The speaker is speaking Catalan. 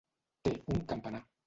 Té un campanar.